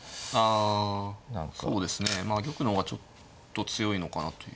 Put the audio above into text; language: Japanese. あそうですねまあ玉の方がちょっと強いのかなという。